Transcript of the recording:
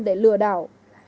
để lừa đảo